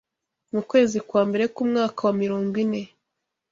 Mu kwezi kwa mbere k’umwaka wa mirongo ine